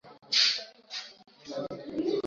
Dalili ya ugonjwa huu katika wanyama waliokufa au mizoga